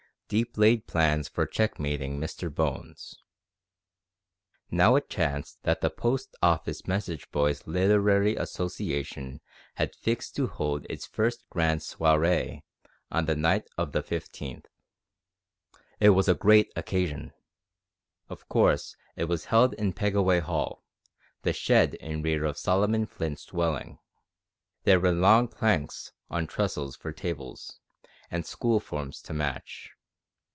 DEEP LAID PLANS FOR CHECKMATING MR. BONES. Now it chanced that the Post Office Message boys' Literary Association had fixed to hold its first grand soiree on the night of the 15th. It was a great occasion. Of course it was held in Pegaway Hall, the shed in rear of Solomon Flint's dwelling. There were long planks on trestles for tables, and school forms to match.